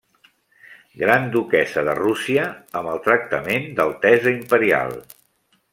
Gran duquessa de Rússia amb el tractament d'altesa imperial.